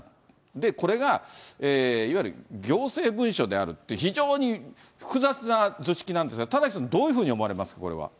で、これがいわゆる行政文書であるって、非常に複雑な図式なんですが、田崎さん、どういうふうに思われますか、これは。